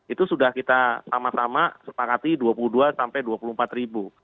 itu sudah kita sama sama sepakati dua puluh dua sampai dua puluh empat ribu